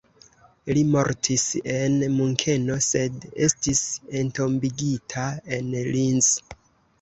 Li mortis en Munkeno, sed estis entombigita en Linz.